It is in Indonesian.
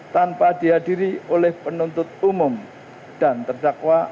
tanpa dihadiri oleh penuntut umum dan terdakwa